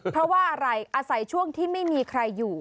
เพราะว่าอะไรอาศัยช่วงที่ไม่มีใครอยู่